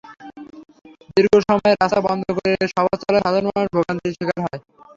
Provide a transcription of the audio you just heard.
দীর্ঘ সময় রাস্তা বন্ধ করে সভা চলায় সাধারণ মানুষ ভোগান্তির শিকার হয়।